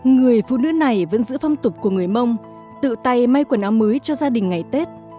người phụ nữ này vẫn giữ phong tục của người mông tự tay may quần áo mới cho gia đình ngày tết